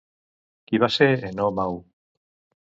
Qui va ser Enòmau?